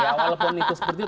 ya walaupun itu seperti itu